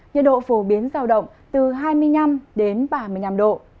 nhiệt độ phổ biến rào động từ hai mươi năm ba mươi năm độ